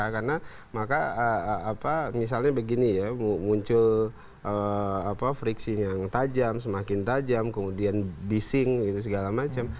karena maka misalnya begini ya muncul friksinya yang tajam semakin tajam kemudian bising gitu segala macam